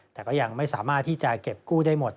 แต่ก็ยังไม่สามารถที่จะเก็บกู้ได้หมด